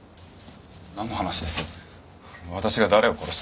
なんの話です？